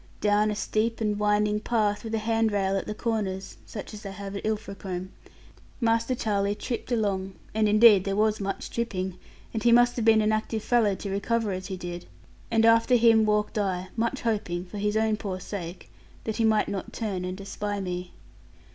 Down a steep and winding path, with a handrail at the corners (such as they have at Ilfracombe), Master Charlie tripped along and indeed there was much tripping, and he must have been an active fellow to recover as he did and after him walked I, much hoping (for his own poor sake) that he might not turn and espy me.